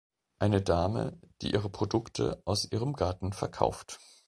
Eine Dame, die ihre Produkte aus ihrem Garten verkauft.